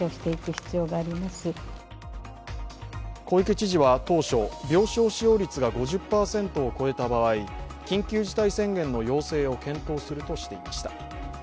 小池知事は当初、病床使用率が５０％を超えた場合、緊急事態宣言の要請を検討するとしていました。